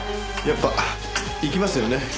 やっぱ行きますよね